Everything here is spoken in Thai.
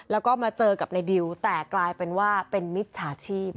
แล้วก็มาเจอกับในดิวแต่กลายเป็นว่าเป็นมิจฉาชีพ